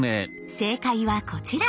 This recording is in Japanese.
正解はこちら！